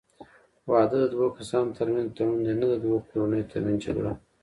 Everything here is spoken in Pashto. واده د دوه کسانو ترمنځ تړون دی، نه د دوو کورنیو ترمنځ جګړه.